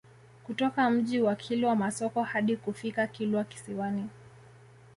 Kutoka Mji wa Kilwa Masoko hadi kufika Kilwa Kisiwani